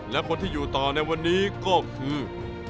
และคนที่อยู่ต่อในวันนี้ก็คือ